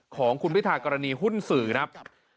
ของคุณพิธากรณีหุ้นสื่อครับ